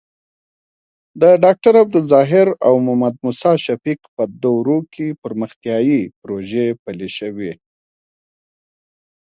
د ډاکټر عبدالظاهر او محمد موسي شفیق په دورو کې پرمختیايي پروژې پلې شوې.